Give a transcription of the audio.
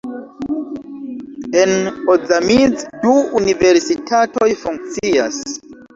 En Ozamiz du universitatoj funkcias.